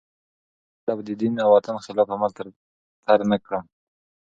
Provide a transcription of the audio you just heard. چي هیڅکله به د دین او وطن خلاف عمل تر نه کړم